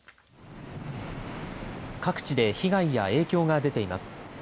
各地で被害や影響が出ています。